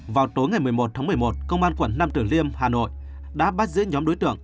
vào tối ngày một mươi một tháng một mươi một công an quận năm tử liêm hà nội đã bắt giữ nhóm đối tượng